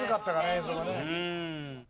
映像がね。